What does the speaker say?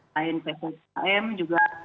lain pskm juga